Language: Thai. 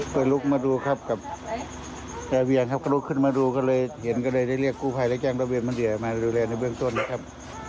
ก็ลุกมาดูครับกับยายเวียนครับก็ลุกขึ้นมาดูก็เลยเห็นก็เลยได้เรียกกู้ภัยและแจ้งระเวียบันเดียมาดูแลในเบื้องต้นนะครับ